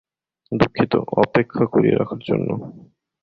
দুঃখিত অপেক্ষা করিয়ে রাখার জন্য।